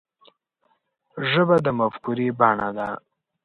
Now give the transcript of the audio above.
ژبه د مفکورې بڼه ده